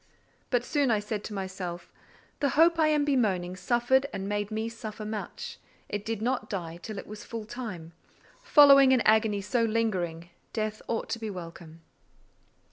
But soon I said to myself, "The Hope I am bemoaning suffered and made me suffer much: it did not die till it was full time: following an agony so lingering, death ought to be welcome."